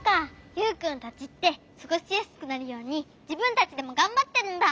ユウくんたちってすごしやすくなるようにじぶんたちでもがんばってるんだ。